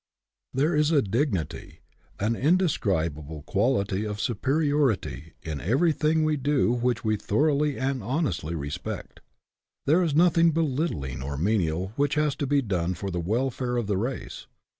There is a dignity, an indescribable quality of superiority, in everything we do which we thoroughly and honestly respect. There is nothing belittling or menial which has to be done for the welfare of the race.